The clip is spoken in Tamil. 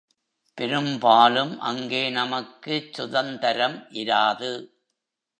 பெரும்பாலும் அங்கே நமக்குச் சுதந்தரம் இராது.